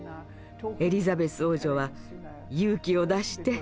エリザベス王女は「勇気を出して。